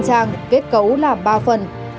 một trang kết cấu làm ba phần